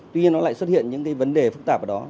tuy nhiên nó lại xuất hiện những cái vấn đề phức tạp ở đó